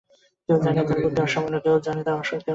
কেউ জানে তার বুদ্ধি অসামান্য, কেউ জানে তার শক্তি অলৌকিক।